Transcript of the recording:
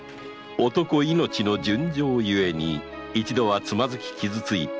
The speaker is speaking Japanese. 男命の純情ゆえに一度はつまずき傷ついた